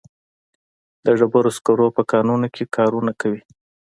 د ډبرو سکرو په کانونو کې کارونه کوي.